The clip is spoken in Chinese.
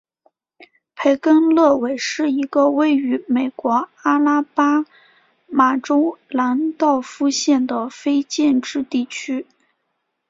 培根勒韦是一个位于美国阿拉巴马州兰道夫县的非建制地区。